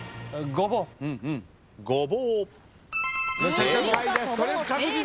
正解です。